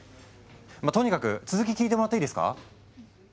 まあとにかく続き聞いてもらっていいですか？